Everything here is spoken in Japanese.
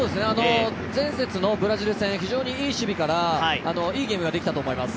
前節のブラジル戦非常にいい守備からいいゲームができたと思います。